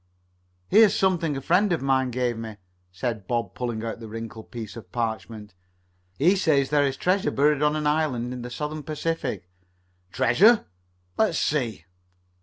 "Here's something a friend of mine gave me," said Bob, pulling out the wrinkled piece of parchment. "He says there is treasure buried on an island in the Southern Pacific." "Treasure? Let me see."